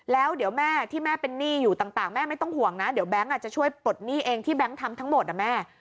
แล้วเดี๋ยวแม่ที่แม่เป็นหนี้อยู่ต่างแม่ไม่ต้องห่วงนะเดี๋ยวแก๊งจะช่วยปลดหนี้เองที่แบงค์ทำทั้งหมดนะแม่